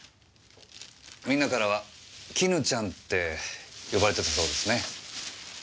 みんなからは「絹ちゃん」て呼ばれてたそうですね。